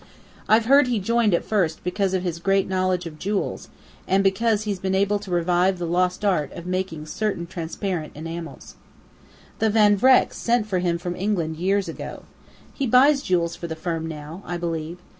"I've heard he joined at first because of his great knowledge of jewels and because he's been able to revive the lost art of making certain transparent enamels. The Van Vrecks sent for him from England years ago. He buys jewels for the firm now, I believe.